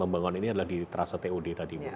pembangunan ini adalah di terasa tod tadi bu